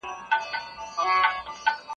ایا لارښود استاد د څېړني جوړښت درته په ګوته کړ؟